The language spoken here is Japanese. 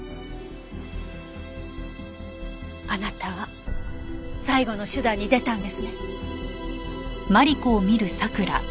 あなたは最後の手段に出たんですね？